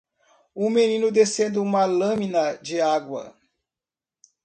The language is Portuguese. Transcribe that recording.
Um menino descendo uma lâmina de água.